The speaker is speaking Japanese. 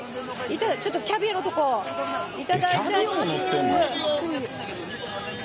ちょっとキャビアのところ、頂いちゃいます。